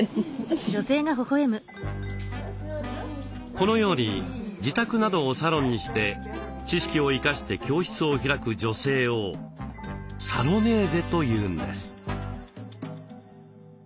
このように自宅などをサロンにして知識を生かして教室を開く女性を「サロネーゼ」というんです。